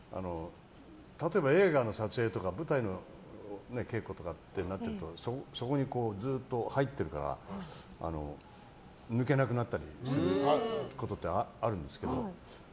例えば映画の撮影とか舞台の稽古とかってなるとそこにずっと入ってるから抜けなくなったりすることってあるんですけど。